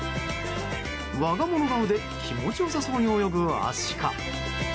我が物顔で気持ち良さそうに泳ぐアシカ。